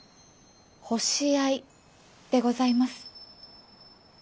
星合でございます。